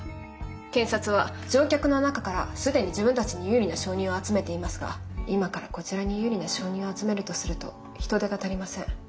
検察は乗客の中から既に自分たちに有利な証人を集めていますが今からこちらに有利な証人を集めるとすると人手が足りません。